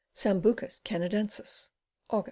Sambucus Canadensis. Aug.